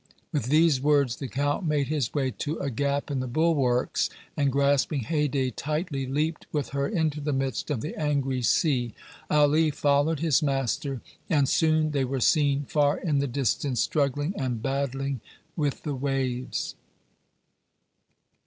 With these words the Count made his way to a gap in the bulwarks and, grasping Haydée tightly, leaped with her into the midst of the angry sea. Ali followed his master, and soon they were seen far in the distance, struggling and battling with the waves.